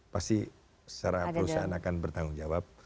pasti secara perusahaan akan bertanggung jawab